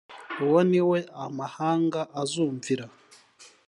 uwo ni we amahanga azumvira